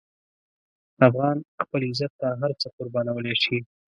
افغان خپل عزت ته هر څه قربانولی شي.